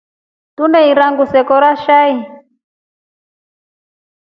Onde tuneera nguu zekora chao.